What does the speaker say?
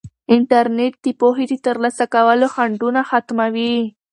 انټرنیټ د پوهې د ترلاسه کولو خنډونه ختموي.